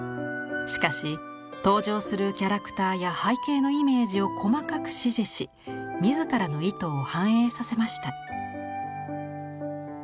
しかし登場するキャラクターや背景のイメージを細かく指示し自らの意図を反映させました。